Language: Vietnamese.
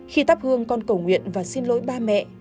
khi thắp hương con cầu nguyện và xin lỗi ba mẹ